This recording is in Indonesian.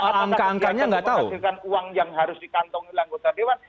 tapi apakah anggota dewan menghasilkan uang yang harus dikantong anggota dewan